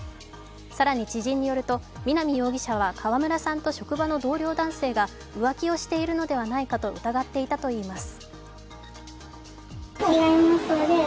更に知人によると南容疑者は川村さんと職場の同僚男性が浮気をしているのではないかと疑っていたといいます。